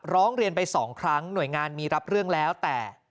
ร้องเรียนไป๒ครั้งหน่วยงานมีรับเรื่องแล้วแต่